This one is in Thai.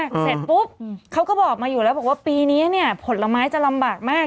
เสร็จปุ๊บเขาก็บอกมาอยู่แล้วบอกว่าปีนี้เนี่ยผลไม้จะลำบากมาก